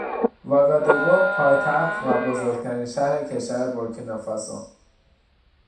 واگادوگو پایتخت و بزرگترین شهر کشور بورکینافاسو